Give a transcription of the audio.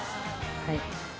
はい。